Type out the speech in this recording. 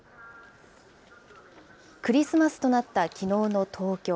クリスマスとなったきのうの東京。